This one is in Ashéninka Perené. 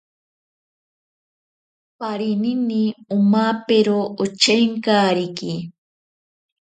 Parinini omapero ochenkariki.